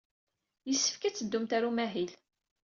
Yessefk ad teddumt ɣer umahil.